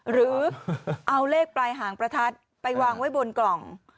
หรือเอาเลขปลายหางประทัดไปวางไว้บนกล่อง